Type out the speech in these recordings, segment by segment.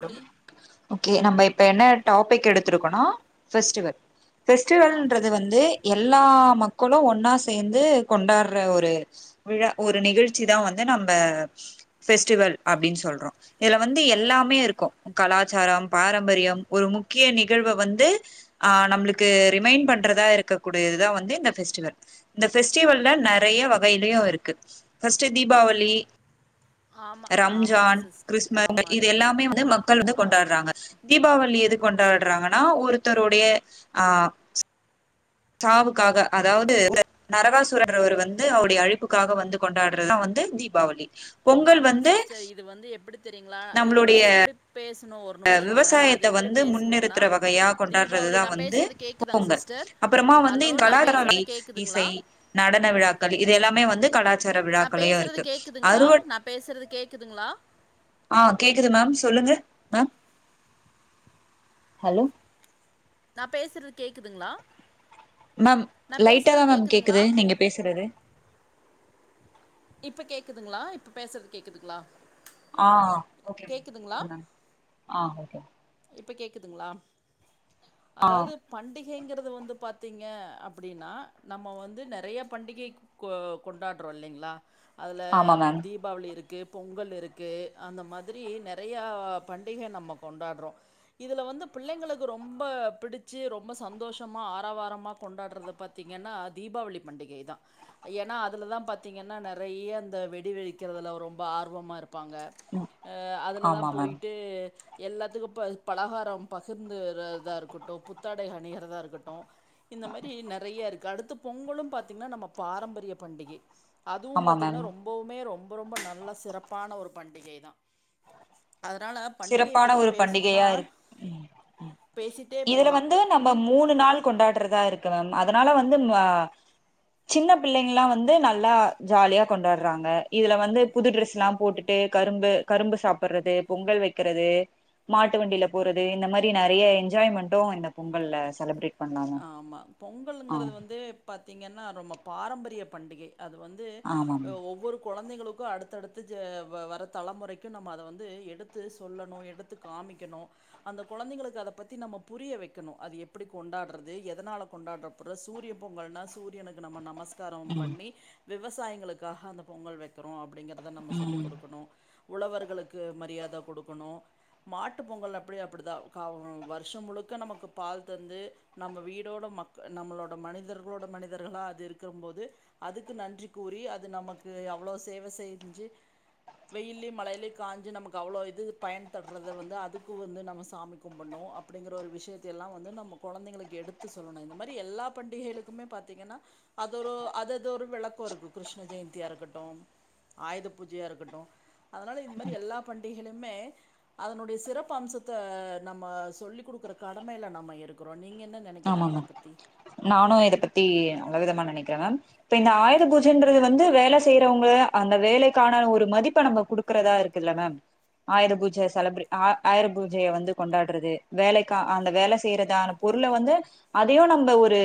தோழி ஓக்கே நம்ம இப் ப்பன்ன டாப்பிக் எடுத்திருக்கோனா ஃவெஸ்டிவல் ஃபெஸ்டிவல்ன்றது ஆமாங்க வந்து எல்லா மக்களு ஒன்னா சேந்து கொண்டாட்ற ஒரு விழா ஒரு நிகழ்ச்சி தா வந்து நம்ம பெஸ்டிவல் அப்டின்னு சொல்றோ இதுல வந்து எல்லா இருக்கும் கலாச்சாரம் பாரம்பரியம் ஒரு முக்கிய நிகழ்வ வந்து ஆஹ் நம்ளுக்கு ரிமைண்ட் பண்றதா இருக்கக்கூடியதுதா வந்து இந்த ஃபெஸ்டிவல் இந்த ஃபெஸ்டிவல் நெறைய வகையிலயு இருக்கு ஃபஸ்ட்ட் தீபாவளி ஆமா ஆமாங்க ரம்ஜான் சிஸ்டர் கிறிஸ்ம ஆமா இது நீங்க எல்லாமே வந்து மக்கள் வந்து ஆமா கொண்டாட்றாங்க தீபாவளி எது க்கு கொண்டாடுறாங்கன்னா ஒருத்தருடைய ஆஹ் சாவுக்காக அதாவது நரகாசுரர் வந்து அவருடைய அழிப்புக்காக வந்து கொண்டாடுறதுதா வந்து தீபாவளி பொங்கல் ஆமாங்க வந்து சிஸ்டர் இது வந்து எப்படி தெரியுங்களா இது வந்து எப்படி பேச இந்த விவசாயத்த வந்து முன்னிறுத்துற வகையா தீபாவளி கொண்டாடுறதுதான் நான் வந்து பேசுறது கேக்குதாங்க பொங்கல் சிஸ்டர் அப்புறமா வந்து ஹலோ இந்த நான் கலாச்சாரி பேசுறது கேக்குதுங்களா இசை நடன விழாக்கள் இது எல்லாமே வந்து சர நான் விழாக்களையையும் பேசுறது இருக்கு கேக்குதுங்களா அறுவ நான் பேசுறது கேக்குதுங்களா ஆ கேக்குது மேம் சொல்லுங்க மேம் ஹலோ நா பேசுறது கேக்குதுங்களா மேம் நான் பேசுறது லைட்டாதான் மேம் கேக்குதுங்களா கேக்குது நீங்க பேசுறது இப்ப கேக்குதுங்களா இப்ப பேசுறது கேக்குதுங்களா ஆஹ் ஒகே கேக்குதுங்களா ஆ ஓகே இப்ப கேக்குதுங்களா ஆ அதாவது பண்டிகை பண்டிகைங்கிறது வந்து பாத்தீங்க அப்படின்னா நம்ம வந்து நிறைய பண்டிகை கொ கொண்டாடுறோம் இல்லைங்களா அதுல ஆமா மேம் தீபாவளி இருக்கு பொங்கல் இருக்கு அந்த மா திரி நெறையா பண்டிக நம்ம கொண்டாடுறோ இதுல வந்து பிள்ளைங்களுக்கு ரொம்ப பிடிச்சு ரொம்ப சந்தோஷமா ஆரவாரமா கொண்டாடுறது பாத்தீங்கன்னா தீபாவளி பண்டிகை தா ஏன்னா அதுல தான் பாத்தீங்கன்னா நெறைய அந்த வெடிவெடிக்கிறதுல ரொம்ப ஆர்வமா இருப் பாங்க ம் உஹ் அதுல தா ஆமா மேம் போயிட்டு எல்லாத்துக்கு ப பலகாரம் பகிர்ந்துறதா இருக்கட்டு புத்தாடை அணியறதா இருக்கட்டு இந்த மாரி நெறையா இருக்கு அடுத்த பொங்கலு பாத்தீங்கன்னா நம்ம பா அதுவு ஆமா மேம் பாத்தீங்கன்னா ரொம்பவுமே ரொம் ரொம்ப ரொம்ப நல்ல சிறப்பான ஒரு பண்டிகை தா சிறப்பான பற்றி ஒரு பேசணுன்னா பண்டிகையா இருக் உம் உம் பேசிகிட்டே இதுல போகலாம் வந்து நம்ம உங் மூணு நாள் கொண்டாடுறதா இருக்கு மேம் அதனால வந்து உம் மா சின்ன பிள்ளைங்கல்லா வந்து நல்லா ஜாலியா கொண்டாடுறாங்க இதுல வந்து புது ட்ரெஸ்லா போட்டுட்டு கரும்பு கரும்பு சாப்பிடுறது பொங்கல் வைக் குறது மாட்டு வண்டியில போறது இந்த மாரி நெறைய என்ஜாய்மெண்டு இந்த பொங்கல்ல செலப்ரேட் ஆமா பொங்கலுங்குறது வந்து பத் திங்கன்னா ரொம்ப பாரம்பரிய பண்டிகை அது வந்து ஆமா மேம் ஒவ்வொரு கொழந்தைங்களுக்கு அடுத்து அடுத்து ஜ வ வர தலைமுறைக்கு நம்ம அத வந்து எடுத்து சொல்லணு எடுத்து காமிக்கணு அந்த கொழந்தைங்களுக்கு அத பத்தி நம்ம புரியவைக்கணு அது எப்டி கொண்டாடுற து எதனால கொண்டாப்பட்து சூரிய பொங்கல்னா சூரியனுக்கு நம்ம நமஸ் தரொ ம் பண்ணி விவசாய்களுக்காக அந்த பொங்கல் வைக்கிறோ அப் டிங்கிறத நம்ம சொல்லி ம் கொடுக்கணு உழவர்களுக்கு மரியாத கொடுக்கணு மாட்டுப் பொங்கல் அப்படியே அப்டி தா கா வு வருஷம் முழுக்க நமக்கு பால் தந்து நம்ம வீடோட மக்க நம்மளோட மனிதர்களோட மனிதர்களா அது இருக்கும்போது அதுக்கு நன்றி கூறி அது நமக்கு அவ்ளோ சேவை செஞ்சு வெயிலையு மழைலையு காஞ்சு நமக்கு அவ்ளோ இது பயன் தரத வந்து அதுக்கு வந்து நம்ம சாமி கும்பிடணு அப்டிங்கிற ஒரு விஷயத்த எல்லா வந்து நம்ம கொழந்தைங்களுக் கு எடுத்து சொல்லனு இந்த மாரி எல்லா பண்டிகைலுக்குமே பாத்தீங்கன்னா அதொரு அது அதொரு வெளக்கோ இருக்கு கிருஷ்ண ஜெயந்தியா இருக்கட்டு ஆயுத பூஜையா இருக்கட்டு அதனால இதுமாறி எல்ல பண்டிகைலுமே அதனுடைய சிறப்பு அம்சத்த நம்ம சொல்லிக் குடுக்கற கடமைலா நம்ம இருக்குறோ நீங்க என்ன நெனைக்கிறீங்க ஆமாமா இத பத்தி நானு இத பத்தி நல்ல விதமா நெனைக் கிறே இப்ப இந்த ஆயுத பூஜன்றது வந்து வேல செய்றவங்க அந்த வேலைக்கான ஒரு மதிப்ப நம்ம குடுக்றதா இருக்குல்ல மேம் ஆயுத பூஜ செலப்ர ஆ ஆயுர பூஜைய வந்து கொண்டாடுறது வேலைக் அந்த வேல செய்றதான பொருள வந் து அதையு நம்ம ஒரு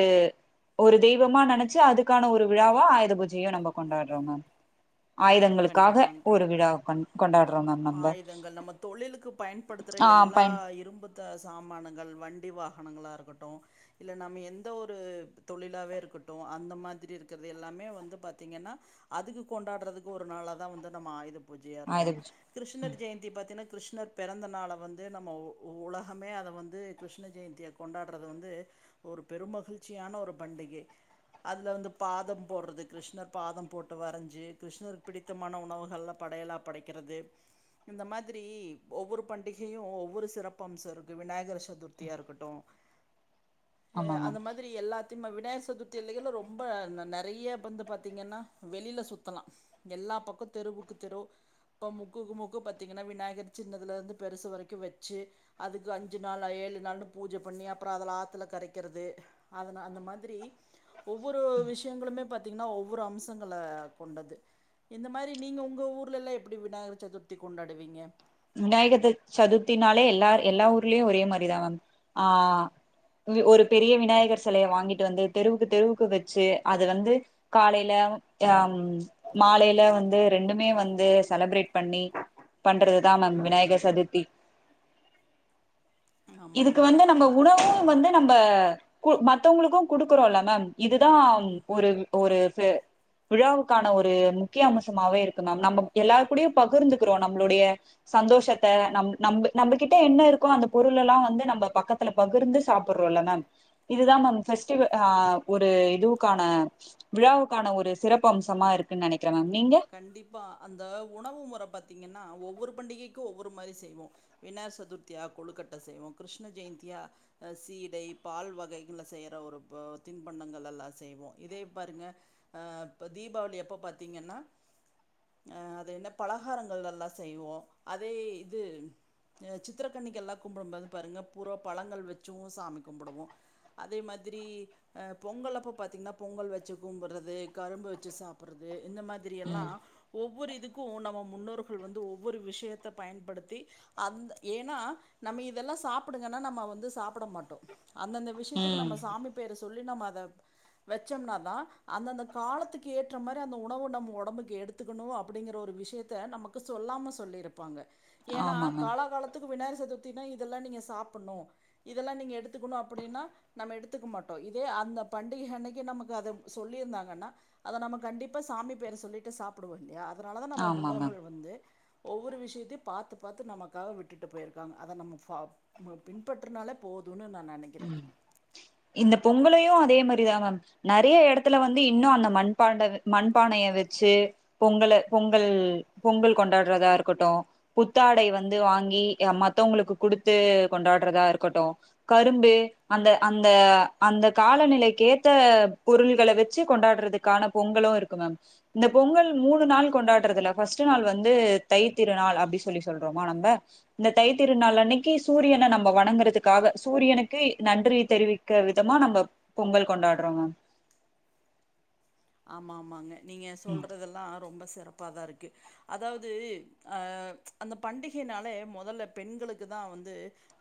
ஒரு தெய்வமா நெனச்சு அதுக்கான ஒரு விழாவா ஆயுத பூஜையு நம்ம கொண்டாடுறோ மேம் ஆயுதங்களுக்காக கண்டிப்பாங்க ஒரு விழாவ கொண் கொண்டாடுறோ மேம் நம்ப ஆயுதங்கள் நம்ம தொழிலுக்கு பயன்படுத்துகிற ஆஹ் எல்லா பன் இரும்பு த சாமானங்கள் வண்டி வாகனங்களா இருக்கட்டு இல்ல நம்ம எந்த ஒரு தொழிலாவே இருக்கட்டு அந்த மாதிரி இருக்கற்து எல்லாமே வந்து பாத்தீங்கன்னா அதுக்கு கொண்டாடுறதுக் ஒரு நாள தா வந்து நம்ம ஆயுத பூஜையா ஆயுத இருக்குரோ பூஜ கிருஷ்ணர் ம் ஜெயந்தி பாத்தீன்னா கிருஷ்ணர் பெறந்தனால வந்து நம்ம உ உ உலகமே அத வந்து கிருஷ்ண ஜெய்ந்திய கொண்டாடுறது வந்து ஒரு பெருமகிழ்ச்சியான ஒரு பண்டிகை அதுல வந்து பாதம் போடுறது கிருஷ்ணர் பாதம் போட்டு வரஞ்சு கிருஷ்ணருக் பிடித்தமான உணவுகள்ல படையலா படைக்குறது இந்த மாதிரி ஒவ்வொரு பண்டிகையு ஒவ்வொரு சிறப்பம்சோ இருக்கு விநாயகர் சதுர்த்தியா இருக்கட்டு ஹ ஆமா அந்த மேம் மாதிரி எல்லா திம்ம விநாயக சதுர்த்திலையுல்லா ரொம்ப ந நெறைய பந்து பாத்தீங்கன்னா வெளில சுத்தலா எல்லா பக்கோ தெருவுக்கு தெரு இப்ப முக்குக்கு முக்கு பாத்தீங்கன்னா விநாயகர் சின்னதுல இருந்து பெருசு வரைக்கு வச்சு அதுக்கு அஞ்சு நாள் ஏழு நாள்னு பூஜ பண்ணி அப்ரோ அதுல ஆத்துல கரைக்குறது அதுன அந்த மாதிரி ஒவ்வொரு விஷயங்களுமே பாத்தீங்னா ஒவ்வொரு அம்சங்கள கொண்டது இந்த மாரி நீங்க உங்க ஊர்லலா எப்டி விநாயகர் சதுர்த்தி கொண்டாடுவீங்க விநாயகர் சதுர்த்தினாலே எல்லார் எல்லா ஊர்லயு ஒரே மாதிரிதான் ஆஹ் இங்க ஒரு பெரிய விநாயகர் செலைய வாங்கிட்டு வந்து தெருவுக்கு தெருவுக்கு வெச்சு அது வந்து காலைல ஆஹ் மாலைல வந்து ரெண்டுமே வந்து செலப்ரேட் பண்ணி பண்ற தா மேம் விநாயகர் சதுர்த்தி ஆமாங்க இதுக்கு மேம். வந்து நம்ப அ உணவு வந்து நம்ப கு மத்தவ்ங்ளுக்கு குடுக்குறோல மேம் இதுதாம் ஒரு ஒரு து விழாவுக்கான ஒரு முக்கிய அமுசமாவே இருக்கு மேம் நம்ப எல்லாருகூடையு பகிர்ந்துக்றோ நம்மளுடைய சந்தோஷத்த நம் நம் நம்பக்கிட்ட என்ன இருக்கோ அந்த பொருளலா வந்து நம்ப பக்கத்துல பகிர்ந்து சாப்புட்றோல மேம் இதுதா மேம் ஃபெஸ்டிவ ஆஹ் ஒரு இதுவுக்கான விழாவுக்கான ஒரு சிறப்பு அம்சமா இருக்குன் நெனைக் கண்டிப்பா அந்த உணவு முற பாத்தீங்க னா ஒவ்வொரு பண்டிகைக்கு ஒவ்வொரு மாரி செய்வோ விநாயர் சதுர்த்தியா கொழுக்கட்ட செய்வோ கிருஷ்ண ஜெயந்தியா அஹ் சீடை பால் வகைகள்ல செய்ற ஒரு போ தின்பண்டங்கள் எல்லா செய்வோ இதே பாருங்க ஆஹ் இப்ப தீபாவளி அப்ப பாத்தீங்கனா அஹ் அது என்ன பலகாரங்கள் எல்லா செய்வோ அதே இது அஹ் சித்ரக்கண்ணிக்கு எல்லா கும்புடும்போது பாருங்க பூரா பழங்கள் வச்சு சாமி கும்புடுவோ அதே மாதிரி அஹ் பொங்கல் அப்ப பாத்தீங்னா பொங்கல் வச்சு கும்புட்றது கரும்பு வச்சு சாப்புட்றது இந்த மாதி ரி எல்லா ம் ஒவ்வொரு இதுக்கு நம்ம முன்னோர்கள் வந்து ஒவ்வொரு விஷயத்த பயன்படுத்தி அந்த ஏனா நம்ம இதெல்லா சாப்புடுங்கனா நம்ம வந்து சாப்ட மாட்டோ அந்தந்த விஷ்யத்துக்கு ம் நம்ம சாமி பேர சொ சொல்லி நம்ம அத வச்சம்னா தா அந்த அந்த காலத்துக்கு ஏற்ற மாரி அந்த உணவ நம்ம ஒடம்புக்கு எடுத்துக்கணு அப்டிங்ற ஒரு விஷ்யத்த நமக்கு சொல்லாம சொல்லிருப்பாங்க ஏனா ஆமா மேம் காலா காலத்துக்கு விநாயர் சதுர்த்தினா இதெல்லாமே நீங்க சாப்புட்னு இதெல்லா நீங்க எடுத்துக்குனு அப்டினா நம்ம எடுத்துக்க மாட்டோ இதே அந்த பண்டிகை அன்னைக்கு நமக்கு அத சொல்லிருந்தாங்கனா அத நம்ம கண்டிப்பா சாமி பேர சொல்லிட்டு சாப்டுவோம் இல்லயா அதனாலதா நம்ம ஆமா மேம் முன்னோர்கள் வந்து ஒவ்வொரு விஷ்யத்தையு பாத்து பாத்து நமக்காக விட்டுட்டு போயிருக்காங்க அத நம்ம ஃபா உம் பின்பற்றினாலே போதுன்னு நா உம் இந்த பொங்கலையு அதே மாரி இதா மேம் நெறைய எடத்துல வந்து இன்னு அந்த மண்பாண்ட மண்பானைய வச்சு பொங்கல பொங்கல் பொங்கல் கொண்டாடுறதா இருக்கட்டும் புத்தாடை வந்து வாங்கி ஆ மத்தவங்களுக்கு குடுத்து கொண்டாடுறதா இருக்கட்டும் க கரும்பு அந்த அந்த அந்த காலநிலைக்கு ஏத்த பொருள்கள வச்சி கொண்டாடுறதுக்கான பொங்கலும் இருக்கு மேம் இந்த பொங்கல் மூணு நாள் கொண்டாடுறதுல்ல ஃபஸ்ட்டு நாள் வந்து தைத்திருநாள் அப்டி சொல்லி சொல்றோமா நம்ப இந்த தைத்திருநாள் அன்னைக்கி சூரியன நம்ப வணங்கறதுக்காக சூ சூரியனுக்கு நன்றிய தெரிவிக்க விதமா நம்ப பொங்கல் கொண்டாடுறோ மேம் ஆமா ஆமாங்க நீங்க ம் சொல்றதெல்லா ரொம்ப ச சிறப்பா தா இருக்கு அதாவது ஆ அந்த பண்டிகைனாலே முதல்ல பெண்களுக்கு தா வந்து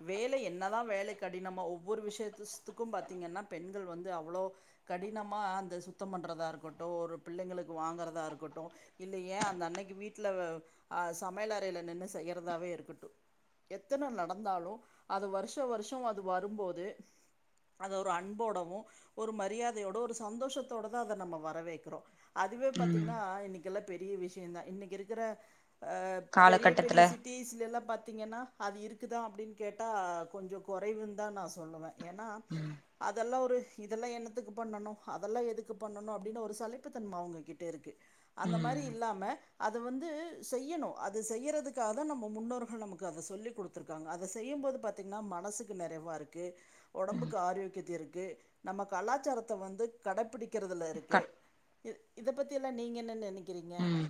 வேலை என்னதா வேலை கடினமா ஒவ்வொரு விஷயத்துத்துக்கும் பாத்தீங்கன்னா பெண்கள் வந்து அவ்ளோ கடினமா அந்த சுத்தம் பண்ணுறதா இரு கோட்டோ ஒரு பிள்ளைங்களுக்கு வாங்கறதா இருக்கட்டும் இல்ல ஏய் அந்த அன்னைக்கி வீட்ல ஆ சமையல் அறையில நின்னு செய்யறதாவே இருக்கட்டு எத்தன நடந்தாலு அது வருஷ வருஷம் அது வரும்போது அத ஒரு அன்போடவு ஒரு மரியாதையோடவு ஒரு சந்தோஷத்தோட தா அத நம்ம வ க்கவே இருக்கும் அதுவே ம் பாத்தீங்கன்னா இன்னிக்கி எல்லா பெரிய விஷயம்தா இன்னைக்கி இருக்கிற ஆ பெரிய பெரிய காலகட்டத்துல சிட்டிஸ்ல எல்லா பாத் திங்கன்னா அது இருக்குதா அப்டின்னு கேட்டா கொஞ்ச கொறைவுன்னுதா நா சொல்லுவ ஏன்னா ம் அதெல்லா ஒரு இதெல்லா என்னத்துக்கு பண்ணணு அதெல்லா எதுக்கு பண்ணணு அப்டி எதோ ஒரு சலிப்புத்தன்ம அவுங்ககிட்ட இருக்கு அந்த மாரி ம் இல்லாம அத வந்து செய்யணு அது செய்யறதுக்காகதா நம்ம முன்னோர்கள் நமக்கு அத சொல்லி குடுத்துருக்காங்க அத செய்யும்போது பாத்திங்கன்னா மனசுக்கு நெறைவா இருக்கு ம் ஒடம்புக்கு ஆரோக்கியத்திருக் கு நம்ம கலாச்சாரத்த வந்து கடப்பிடிக் கிறதுல இருக் க இது இத பத்தியெல்லா நீங்க என்ன நெனைக் உம்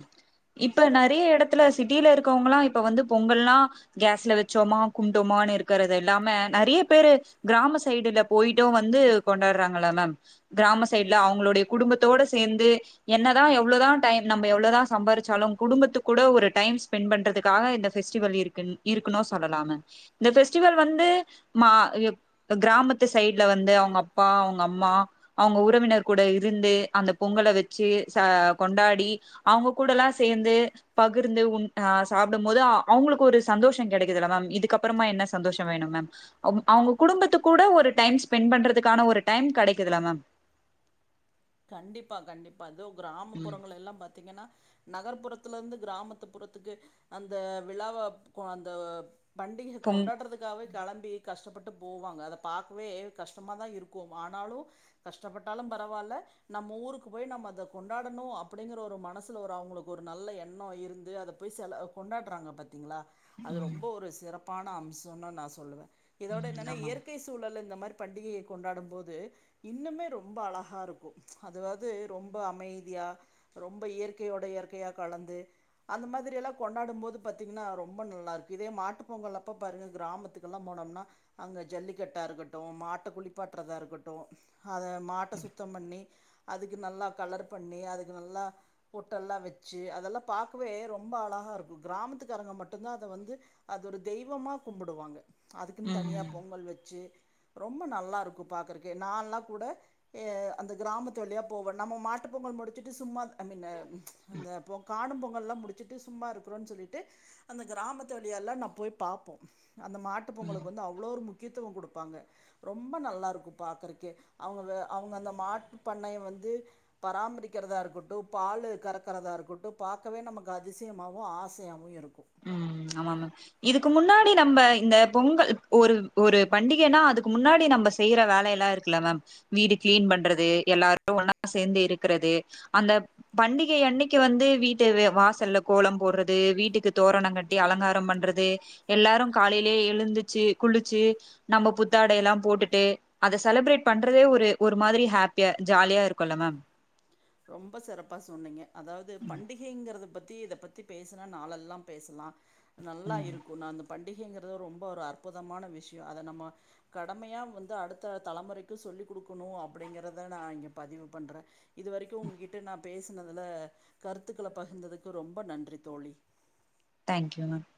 இப்ப நெறைய எடத்துல சிட்டியில இருக் க்கவங்களா இப்ப வந்து பொங்கல்லா கேஸ்ல வச்சோமா கும்டோமானு இருக்கறது இல்லாமே நெறைய பேரு கிராம சைடுல போயிட்டு வந்து கொண்டாடுறாங்கள மேம் கிராம சைடுல அவுங்களுடைய குடும்பத்தோட சேந்து என்னதா எவ்ளோதா டைம் நம்ம எவ்ளோ தா சம்பாரிச்சாலு குடும்பத்து கூட ஒரு டைம் ஸ்பெண்ட் பண்றதுக்காக இந்த ஃபெஸ்டிவல் இருக்குன் இருக்கணு சொல்லலா மேம் இந்த ஃபெஸ்டிவல் வந்து மா எப் கிராமத்து சைடுல வந்து அவங்க அப்பா அவங்க அம்மா அவங்க உறவினர் கூட இருந்து அந்த பொங்கல வெச்சி சா கொண்டாடி அவங்க கூடல்லா சேந்து பகிர்ந்து உண் ஆ சாப்டும் போது ஆ அவங்களுக்கு ஒரு சந்தோஷோ கெடைக்குதுல்ல மேம் இதுக்கப்பறமா என்ன சந்தோஷோ வேணு மேம் அவுங் அவங்க குடும்பத்து கூட ஒரு டைம் ஸ்பெண்ட் பண்றதுக்கான ஒரு டைம் கெடைக்குதுல்ல மேம் கண்டிப்பா கண்டிப் ப அதுவு ம் கிராமப்புறங்களெல்லா பாத்தீங்கன்னா நகர்ப்புறத்துலருந்து கிராமத்து புறத்துக்கு அந்த விழாவ கொ அந்த பண்டிகை பொங் கொண்டாடுறதுக்காகவே கெளம்பி கஷ்டப்பட்டு போவாங்க அத பாக்கவே கஷ்டமா தா இருக்கு ஆனாலு கஷ்டப்பட்டாலு பரவால்ல நம்ம ஊருக்கு போய் நம்ம அத கொண்டாடனு அப்டிங்கிற ஒரு மனசுல ஒரு அவங்களுக்கு ஒரு நல்ல எண்ணோ இருந்து அத போய் செல கொண்டாட்றாங்க பாத்தீங்ளா அது ம் ரொம்ப ஒரு சிறப்பான அம்சம்னு நா சொல்லுவே இதோட ம் என்னன்னா ஆமா இயற்கை சூழலு இந்த மாரி பண்டிகைய கொண்டாடும் போது இன்னுமே ரொம்ப அழஹாருக்கு அது வந்து ரொம்ப அமைதியா ரொம்ப இயற்கையோட இயற்கையா கலந்து அந்த மாதிரியெல்லா கொண்டாடும் போது பாத்தீங்கன்னா ரொம்ப நல்லா இருக்கு இதே மாட்டு பொங்கல் அப்ப பாருங்க கிராமத்துக்கெல்லா போனோம்னா அங்க ஜல்லிக்கட்டா இருக்கட்டும் மாட்ட குளிப்பாட்டுறதா இருக்கட்டும் அத மாட்ட சுத்தம் பண்ணி அதுக்கு நல்லா கலர் பண்ணி அதுக்கு நல்லா பொட்டெல்லா வச்சு அதெல்லா பாக்கவே ரொம்ப அழகா இருக்கும் கிராமத்துக்காரங்க மட்டும்தா அத வந்து அது ஒரு தெய்வமா கும்பிடுவாங்க அதுக்குன்னு தனியா ம் பொங்கல் வச்சி ரொம்ப நல்லா இருக்கு பாக்குறக்கு நால்லா கூட எ அந்தக் கிராமத்து வழியா போவோ நம்ம மாட்டு பொங்கல் முடிச்சிட்டு சும்மா அந்த ந அந்த பொங் காணும் பொங் ல்லா முடிச்சுட்டு சும்மா இருக்கிறோன் சொல்லிட்டு அந்த கிராமத்து வழியாலா நா போய் பாப்போ அந்த மாட்டு ம் பொங்கலுக்கு வந்து அவ்ளோரு முக் க்கித்துவ குடுப்பாங்க ரொம்ப நல்லா இருக்கு பாக்கறக்கே அவுங்க வ அவுங்க அந்த மாட் பண்ணைய வந்து பராமரிக்கிறதா இருக்கட்டு பாலு கறக்கிறதா இருக்கட்டு பாக்கவே நமக்கு அதிசயமாவு ஆசையாவு இருக்கு உம் ஆமா மேம் இதுக்கு முன்னாடி நம்ப இந்த பொங்கல் ஒரு ஒரு பண்டிகைனா அதுக்கு முன்னாடி நம்ப செய்ற வேலைலா இருக்குல மேம் வீடு க்ளீன் பண்றது எல்லாரு ஒன்னா சேந்து இருக்கிறது அந்த பண்டிகை அன்னைக்கு வந்து வீட்டில் வெ வாசல்ல கோலம் போட்றது வீட்டுக்கு தோரண கட்டி அலங்கார பண்றது எல்லாரு காலைலே எழுந்துச்சு குளிச்சு நம்ப புத்தாடைலா போட்டுட்டு அத செலப்ரேட் பண்றதே ஒரு ஒரு மாதிரி ஹாப்பியா ஜாலியா இருக்குல்ல மேம் ரொம்ப சிறப்பா சொன்னீங்க அதாவ்து பண்டிகைங்கரத பத் தி இத பத்தி பேசுனா நாளலெல்லா பேசலா நல்லா ம் இருக்கு நா அந்த பண்டிகைங்கிறது ரொம்ப ஒரு அற்புதமான விஷ்ய அத நம்ம கடமையா வந்து அடுத்த தலைமுறைக்கு சொல்லி் குடுக்கணு அப்டிங்கறதா நா இங்க பதிவு பண்றே இது வரைக்கு உங்ககிட்ட நா பேசுனதுல கருத்துக்கள பகிர்ந்ததுக்கு ரொம்ப நன்றி தோழி தேங்க்யூ மேம்